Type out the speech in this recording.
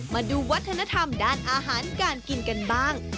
มาดูวัฒนธรรมด้านอาหารการกินกันบ้าง